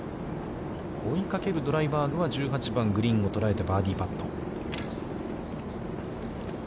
追いかけるドライバーグは１８番、グリーンを捉えてバーディーパット。